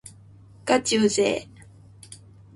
がちうぜぇ